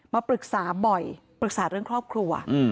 มาปรึกษาบ่อยปรึกษาเรื่องครอบครัว